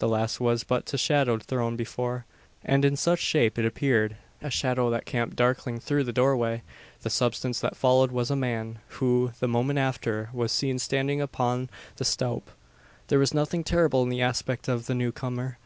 The last was but the shadow thrown before, and in such shape it appeared a shadow that camp darkling through the doorway. The substance that followed was a man; who, the moment after, was seen standing upon the stoup. There was nothing terrible in the aspect of the new comer.